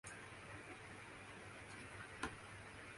دنیا کے پستہ ترین مرد کھجیندرا تھاپا انتقال کر گئے